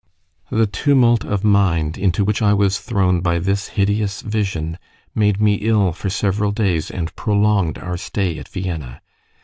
The tumult of mind into which I was thrown by this hideous vision made me ill for several days, and prolonged our stay at Vienna.